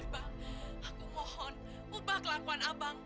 bang aku mohon ubah kelakuan abang